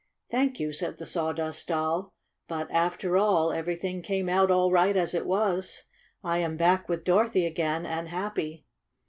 "Thank you," said the Sawdust Doll. "But, after all, everything came out all right as it was. I am back with Dorothy again, and happy."